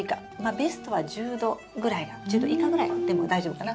ベストは１０℃ぐらいが１０℃以下ぐらいでも大丈夫かな。